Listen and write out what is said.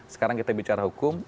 sekarang kita bicara hukum